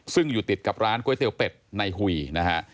ซึ่งอยู่ติดกับร้านก๋วยเตี๋ยวเป็ดในหุยนะฮะ